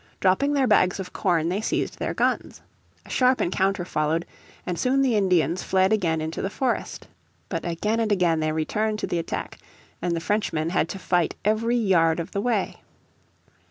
Dropping their bags of corn they seized their guns. A sharp encounter followed, and soon the Indians fled again into the forest. But again and again they returned to the attack, and the Frenchmen had to fight every yard of the way.